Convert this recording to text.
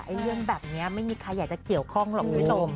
ไอ้เรื่องแบบนี้ไม่มีใครอยากจะเกี่ยวข้องหรอกไม่ลง